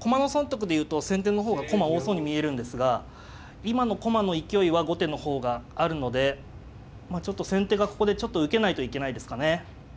駒の損得で言うと先手の方が駒多そうに見えるんですが今の駒の勢いは後手の方があるのでまあちょっと先手がここでちょっと受けないといけないですかね。